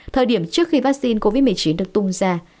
thời điểm trước khi vaccine covid một mươi chín được tung ra